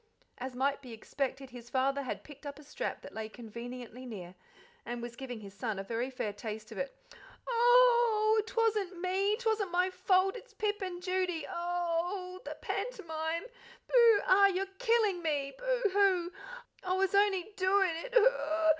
As might be expected, his father had picked up a strap that lay conveniently near, and was giving his son a very fair taste of it. "Oh h h h! o o h! o o h! ah h h! 'twasn't me 'twasn't my fault its Pip and Judy oh h h h! hoo the pant'mime! boo hoo! ah h h h you're killing me! hoo boo! I was only d doin' it oh hoo ah h h!